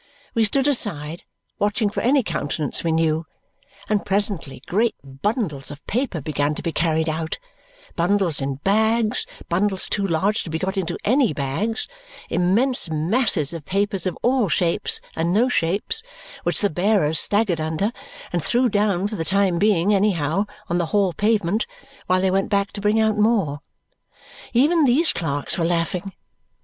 We stood aside, watching for any countenance we knew, and presently great bundles of paper began to be carried out bundles in bags, bundles too large to be got into any bags, immense masses of papers of all shapes and no shapes, which the bearers staggered under, and threw down for the time being, anyhow, on the Hall pavement, while they went back to bring out more. Even these clerks were laughing.